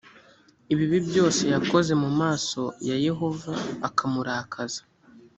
ibibi byose yakoze mu maso ya yehova akamurakaza